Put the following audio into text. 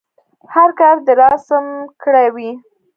هر کار دې راسم کړی وي.